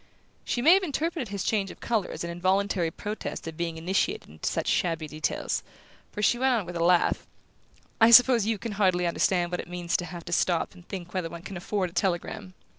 She may have interpreted his change of colour as an involuntary protest at being initiated into such shabby details, for she went on with a laugh: "I suppose you can hardly understand what it means to have to stop and think whether one can afford a telegram?